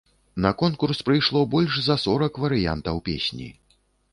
На конкурс прыйшло больш за сорак варыянтаў песні.